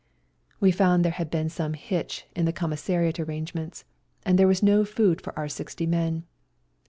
We found there had been some hitch in the commissariat arrangements, and there was no food for oiu' sixty men.